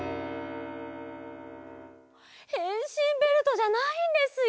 へんしんベルトじゃないんですよ。